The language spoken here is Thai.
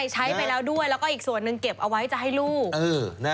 ใช้ไปแล้วด้วยแล้วก็อีกส่วนหนึ่งเก็บเอาไว้จะให้ลูก